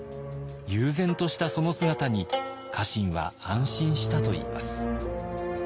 悠然としたその姿に家臣は安心したといいます。